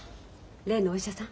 例のお医者さん？